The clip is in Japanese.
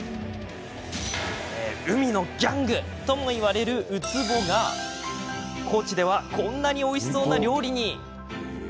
海のギャングともいわれるウツボが高知ではこんなにおいしそうな料理に。